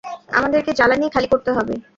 আমাদেরকে জ্বালানি খালি করতে হবে।